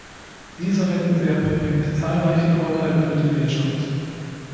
Dieser Wettbewerb bringt zahlreiche Vorteile für die Wirtschaft.